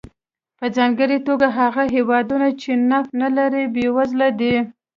په ځانګړې توګه هغه هېوادونه چې نفت نه لري بېوزله دي.